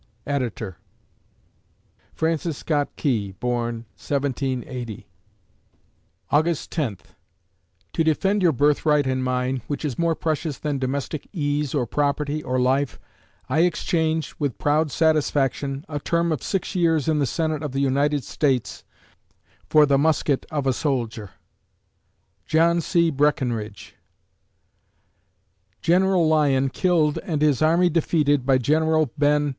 Editor] Francis Scott Key born, 1780 August Tenth To defend your birthright and mine, which is more precious than domestic ease, or property, or life, I exchange, with proud satisfaction, a term of six years in the Senate of the United States for the musket of a soldier. JOHN C. BRECKINRIDGE _General Lyon killed and his army defeated by General Ben.